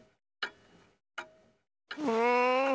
うん。